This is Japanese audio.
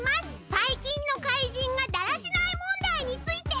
「さいきんの怪人がだらしない問題について」！